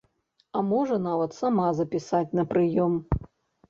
А можа нават сама запісаць на прыём.